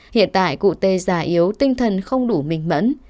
hiện tại cụ t giả yếu tinh thần không đủ minh mẫn